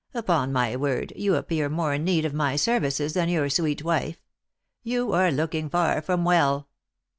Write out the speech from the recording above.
Upon my word, you appear more in need of my services than your sweet wife. You are looking far from well."